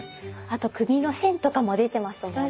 あと首の線とかも出てますもんね。